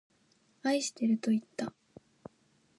愛してるといった。